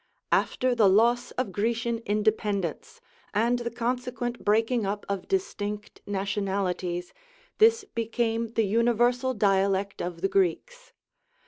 After the loss of Grecian independence, and the consequent breaking up of dis tinct nationalities, this became the universal dialect of the Greeks.